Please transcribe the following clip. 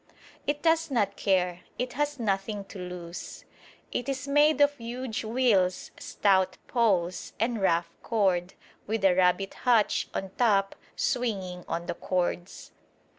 It does not care. It has nothing to lose. It is made of huge wheels, stout poles and rough cord, with a rabbit hutch on top swinging on the cords.